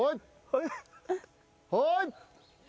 はい。